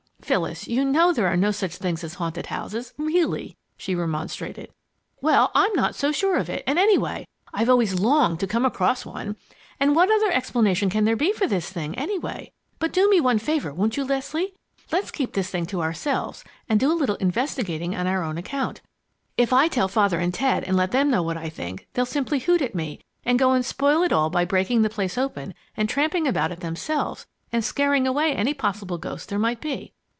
"Phyllis, you know there are no such things as haunted houses really!" she remonstrated. "Well, I'm not so sure of it, and anyway, I've always longed to come across one! And what other explanation can there be for this thing, anyway? But do me one favor, won't you, Leslie? Let's keep this thing to ourselves and do a little investigating on our own account. If I tell Father and Ted and let them know what I think, they'll simply hoot at me and go and spoil it all by breaking the place open and tramping around it themselves and scaring away any possible ghost there might be.